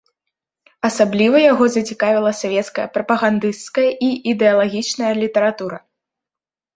Асабліва яго зацікавіла савецкая прапагандысцкая і ідэалагічная літаратура.